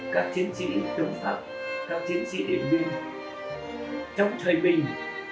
các chiến sĩ chống pháp các chiến sĩ điện viên chống thầy bình